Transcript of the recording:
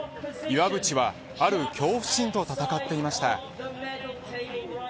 岩渕はある恐怖心と戦っていました。